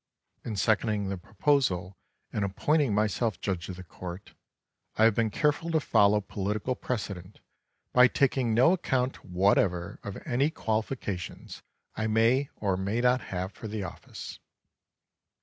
In seconding the proposal and appointing myself judge of the court, I have been careful to follow political precedent by taking no account whatever of any qualifications I may or may not have for the office.